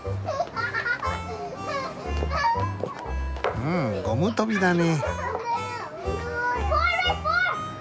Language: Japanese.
うんゴム跳びだね。